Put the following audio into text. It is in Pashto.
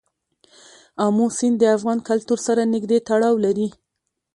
آمو سیند د افغان کلتور سره نږدې تړاو لري.